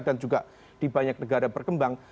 dan juga di banyak negara berkembang